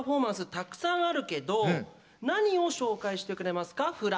たくさんあるけど何を紹介してくれますか？